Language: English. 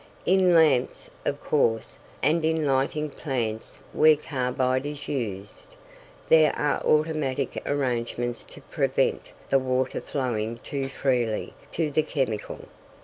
In lamps, of course, and in lighting plants where carbide is used, there are automatic arrangements to prevent the water flowing too freely to the chemical.